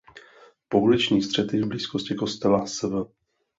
Pouliční střety v blízkosti kostela sv.